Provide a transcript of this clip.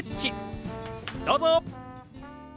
どうぞ！